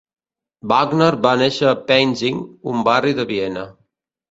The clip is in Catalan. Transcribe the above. Wagner va néixer a Penzing, un barri de Viena.